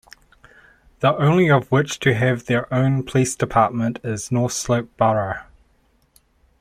The only of which to have their own police department is North Slope Borough.